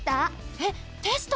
えっ！テスト！？